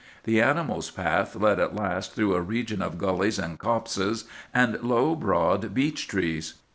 The animal's path led at last through a region of gullies and copses, and low, broad beech trees.